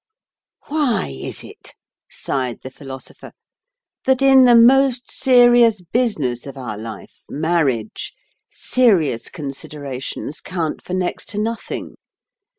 "Why is it," sighed the Philosopher, "that in the most serious business of our life, marriage, serious considerations count for next to nothing?